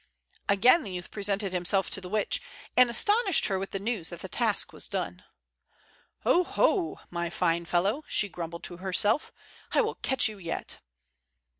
Again the youth presented himself to the witch, and astonished her with the news that the task was done. "Oho! my fine fellow," she grumbled to herself, "I will catch you yet.